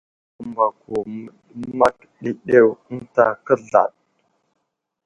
Kəmbako məɗəmak ɗewɗew ənta kəzlaɗ a.